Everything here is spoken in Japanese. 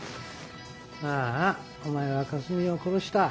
ああお前はかすみを殺した。